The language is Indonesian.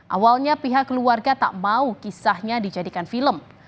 awalnya pihak keluarga tak mau kisahnya dijadikan film